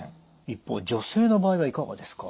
一方女性の場合はいかがですか？